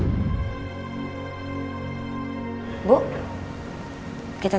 nanti aku kabarin tante lagi